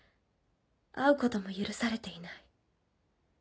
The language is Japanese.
会うことも許されていない。